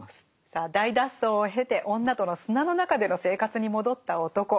さあ大脱走を経て女との砂の中での生活に戻った男。